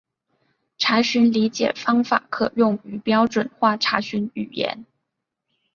查询理解方法可用于标准化查询语言。